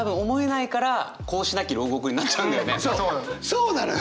そうなのよ！